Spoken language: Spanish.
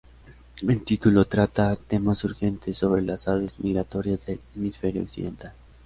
El titulo trata temas urgentes sobre las aves migratorias del hemisferio occidental.